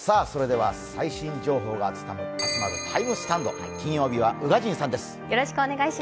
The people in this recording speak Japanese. それでは最新情報が集まるＴＩＭＥスタンド、金曜日は宇賀神さんです。